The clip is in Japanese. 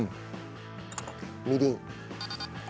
みりん。